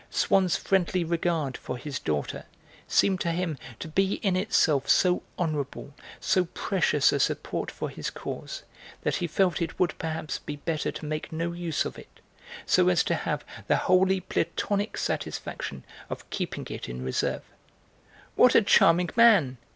Swann's friendly regard for his daughter seemed to him to be in itself so honourable, so precious a support for his cause that he felt it would perhaps be better to make no use of it, so as to have the wholly Platonic satisfaction of keeping it in reserve. "What a charming man!"